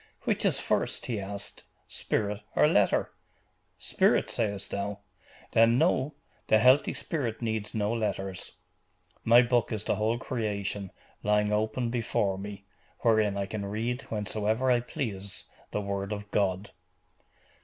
"Which is first," he asked, "spirit, or letter? Spirit, sayest thou? Then know, the healthy spirit needs no letters. My book is the whole creation, lying open before me, wherein I can read, whensoever I please, the word of God."